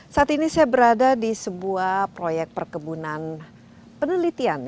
saat ini saya berada di sebuah proyek perkebunan penelitian